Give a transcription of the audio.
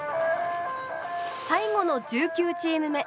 最後の１９チーム目。